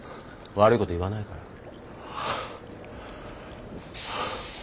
悪いこと言わないから。